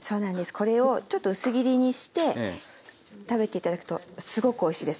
これをちょっと薄切りにして食べて頂くとすごくおいしいです。